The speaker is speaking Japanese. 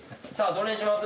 どれにします？